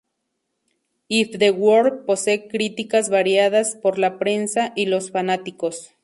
If the World posee críticas variadas por la prensa y los fanáticos.